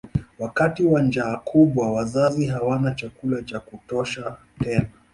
Wakati wa njaa kubwa wazazi hawana chakula cha kutosha tena.